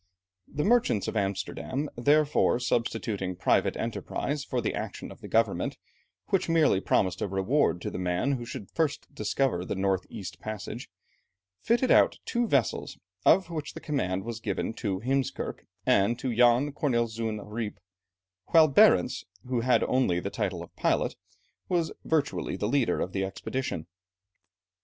The merchants of Amsterdam therefore, substituting private enterprise for the action of the government, which merely promised a reward to the man who should first discover the north east passage fitted out two vessels, of which the command was given to Heemskerke and to Jan Corneliszoon Rijp, while Barentz, who had only the title of pilot, was virtually the leader of the expedition.